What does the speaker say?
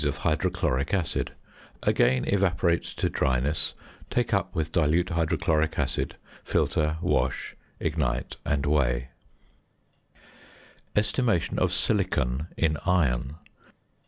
of hydrochloric acid; again evaporate to dryness, take up with dilute hydrochloric acid, filter, wash, ignite, and weigh. ~Estimation of Silicon in Iron.